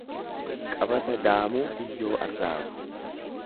Qabata daamuu biyyoo arraabu.